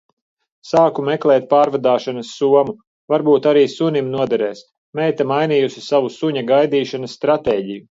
Sāku meklēt pārvadāšanas somu. Varbūt arī sunim noderēs. Meita mainījusi savu suņa gaidīšanas stratēģiju.